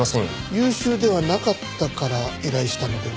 「優秀ではなかったから依頼したのでは？」